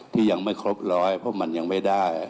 ที่ยังไม่ครบร้อยเพราะมันยังไม่ได้